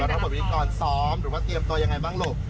มารับบทวิธีก่อนซ้อมหรือว่าเตรียมตัวยังไงบ้างลูก